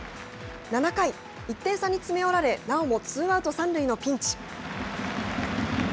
７回、１点差に詰め寄られなおもツーアウト３塁のピンチ。